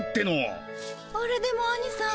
あれでもアニさん